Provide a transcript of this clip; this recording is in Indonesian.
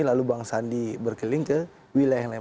lalu bang sandi berkeliling ke wilayah yang lain